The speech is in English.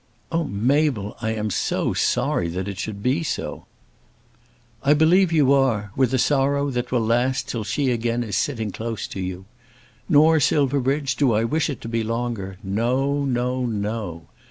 "Oh, Mabel, I am so sorry it should be so." "I believe you are, with a sorrow that will last till she is again sitting close to you. Nor, Silverbridge, do I wish it to be longer. No; no; no.